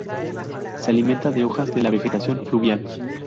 Se alimenta de hojas de la vegetación fluvial.